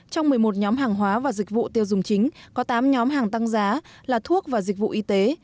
trong một mươi một nhóm hàng hóa và dịch vụ tiêu dùng chính có tám nhóm hàng tăng giá là thuốc và dịch vụ y tế